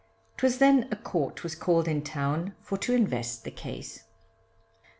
'Twas then a court was called in town, for to invest the case.